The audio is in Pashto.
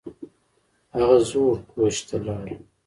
هغه زوړ کوچ ته لاړه